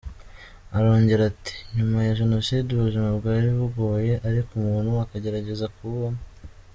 Arongera ati “Nyuma ya Jenoside ubuzima bwari bugoye ariko umuntu akagerageza kububamo.